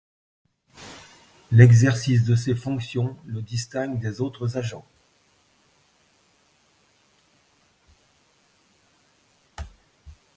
L'exercice de ses fonctions le distingue des autres agents.